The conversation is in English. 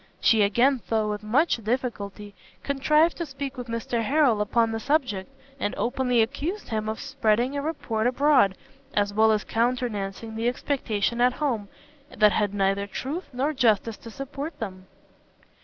She again, though with much difficulty, contrived to speak with Mr Harrel upon the subject, and openly accused him of spreading a report abroad, as well as countenancing an expectation at home, that had neither truth nor justice to support them.